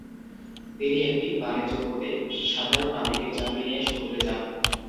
তিনি একটি বাণিজ্যপোতে সাধারণ নাবিকের চাকরি নিয়ে সমুদ্রে যান।